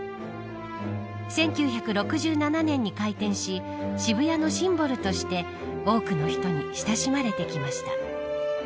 １９６７年に開店し渋谷のシンボルとして多くの人に親しまれてきました。